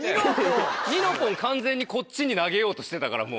ニノぽん完全にこっちに投げようとしてたからもう。